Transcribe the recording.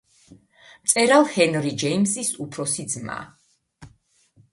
მწერალ ჰენრი ჯეიმზის უფროსი ძმა.